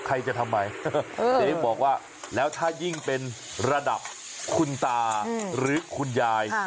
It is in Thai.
ใครจะทำไมเจ๊บอกว่าแล้วถ้ายิ่งเป็นระดับคุณตาหรือคุณยาย